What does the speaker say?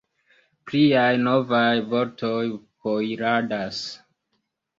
Pliaj novaj vortoj poiradas!